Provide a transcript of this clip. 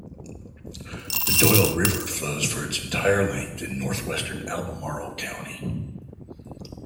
The Doyles River flows for its entire length in northwestern Albemarle County.